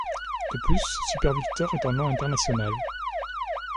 De plus, Super Victor est un nom international.